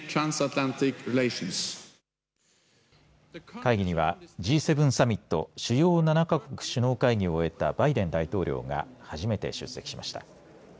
会議にはＧ７サミット主要７か国首脳会議を終えたバイデン大統領が初めて出席しました。